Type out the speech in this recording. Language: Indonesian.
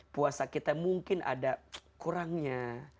puasa kita mungkin ada kurangnya